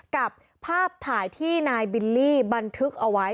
กับภาพถ่ายที่นายบิลลี่บันทึกเอาไว้